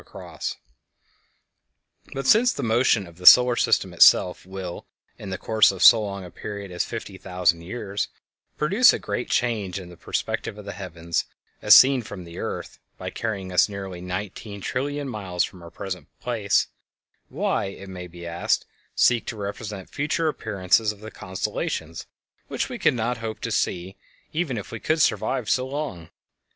[Illustration: The "Southern Cross"] But since the motion of the solar system itself will, in the course of so long a period as fifty thousand years, produce a great change in the perspective of the heavens as seen from the earth, by carrying us nearly nineteen trillion miles from our present place, why, it may be asked, seek to represent future appearances of the constellations which we could not hope to see, even if we could survive so long?